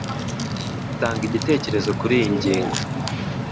Tanga igitecyerezo kuri iyi ngingo